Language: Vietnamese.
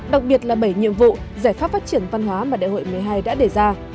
đặc biệt là bảy nhiệm vụ giải pháp phát triển văn hóa mà đại hội một mươi hai đã đề ra